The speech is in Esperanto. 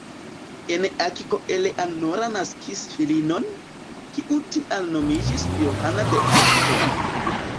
En Akko Eleanora naskis filinon, kiu tial nomiĝis Johana de Akko.